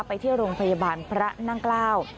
ไปที่โรงพยาบาลพระนั่งเกล้า